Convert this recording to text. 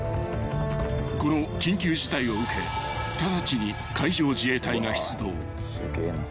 ［この緊急事態を受け直ちに海上自衛隊が出動］